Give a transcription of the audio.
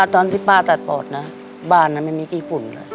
ตอนที่ป้าตัดปอดนะบ้านไม่มีที่ฝุ่นเลย